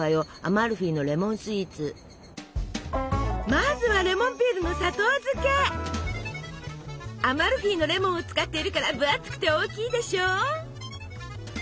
まずはアマルフィのレモンを使っているから分厚くて大きいでしょ？